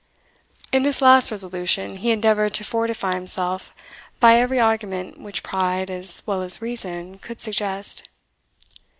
In this last resolution he endeavoured to fortify himself by every argument which pride, as well as reason, could suggest.